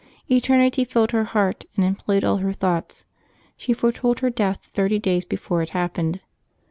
Eternity filled her heart and employed all her thoughts. She fore told her death thirty days before it happened.